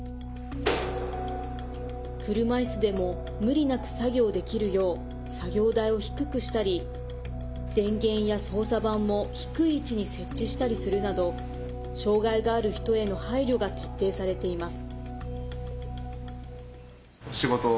車いすでも無理なく作業できるよう作業台を低くしたり電源や操作盤も低い位置に設置したりするなど障害がある人への配慮が徹底されています。